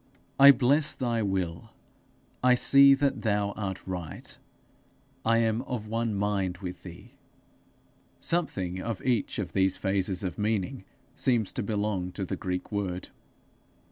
'I bless thy will: I see that thou art right: I am of one mind with thee:' something of each of these phases of meaning seems to belong to the Greek word.